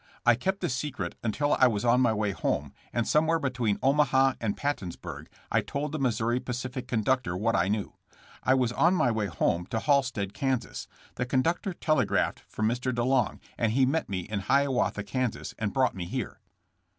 I kept the secret until I was on my way home, and somewhere between Omaha and Pattonsburg I told the Missouri Pacific conductor what I knew. I was on my way home to Halstead, Kas. The con ductor telegraphed for Mr. DeLong, and he met me at Hiawatha, Kas., and brought me here.''